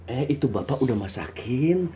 eh itu bapak udah masakin